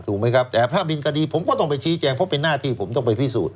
ไหมครับแต่ถ้าเป็นคดีผมก็ต้องไปชี้แจงเพราะเป็นหน้าที่ผมต้องไปพิสูจน